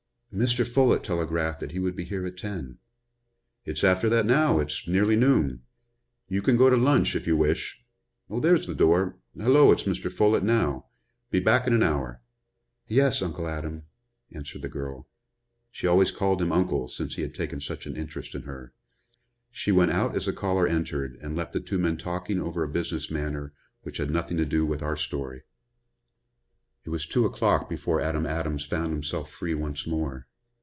"Mr. Folett telegraphed that he would be here at ten." "It's after that now it's nearly noon. You can go to lunch if you wish. There's the door Hullo, it's Mr. Folett now. Be back in an hour." "Yes, Uncle Adam," answered the girl. She always called him uncle, since he had taken such an interest in her. She went out as the caller entered, and left the two men talking over a business matter which has nothing to do with our story. It was two o'clock before Adam Adams found himself free once more.